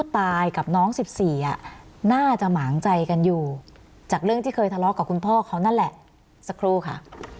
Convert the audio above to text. ต่างใจกันอยู่จากเรื่องที่เคยทะเลาะกับคุณพ่อเขานั่นแหละสักครู่ค่ะ